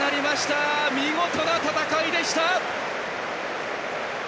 見事な戦いでした！